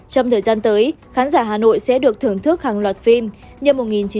trong thời gian tới khán giả hà nội sẽ được thưởng thức hàng loạt phim như một nghìn chín trăm tám mươi